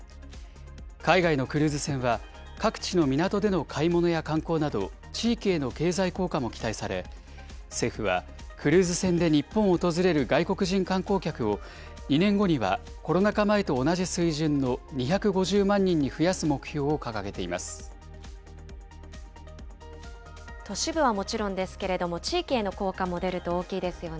海外のクルーズ船は、各地の港での買い物や観光など、地域への経済効果も期待され、政府は、クルーズ船で日本を訪れる外国人観光客を、２年後にはコロナ禍前と同じ水準の、２５０万人に増やす目標を掲都市部はもちろんですけれども、地域への効果も出ると大きいですよね。